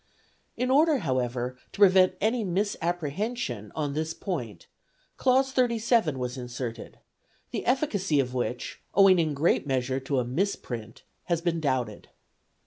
In order, however, to prevent any misapprehension on this point clause 37 was inserted, the efficacy of which, owing in great measure to a misprint, has been doubted.